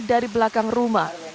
dari belakang rumah